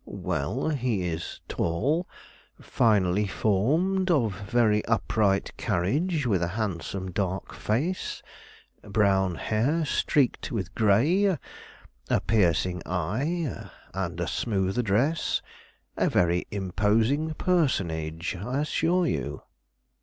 "Well, he is tall, finely formed, of very upright carriage, with a handsome dark face, brown hair streaked with gray, a piercing eye, and a smooth address. A very imposing personage, I assure you."